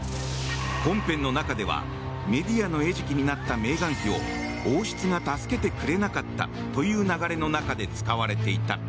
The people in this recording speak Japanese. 本編の中ではメディアの餌食になったメーガン妃を、王室が助けてくれなかったという流れの中で使われていた。